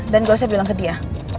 dan gak usah bilang ke dia